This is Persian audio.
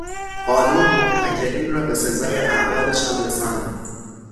قانون، محتکرین را به سزای اعمالشان رساند